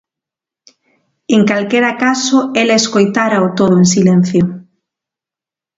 En calquera caso ela escoitárao todo en silencio.